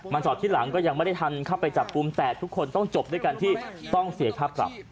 จอดที่หลังก็ยังไม่ได้ทันเข้าไปจับกลุ่มแต่ทุกคนต้องจบด้วยการที่ต้องเสียค่าปรับ